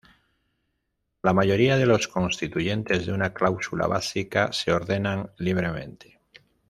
La mayoría de los constituyentes de una cláusula básica se ordenan libremente.